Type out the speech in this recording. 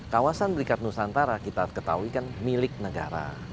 kawasan berikat nusantara kita ketahui kan milik negara